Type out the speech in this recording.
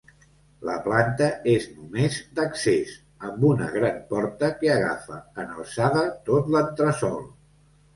La planta és només d'accés, amb una gran porta que agafa, en alçada, tot l'entresòl.